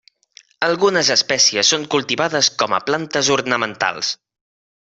Algunes espècies són cultivades com a plantes ornamentals.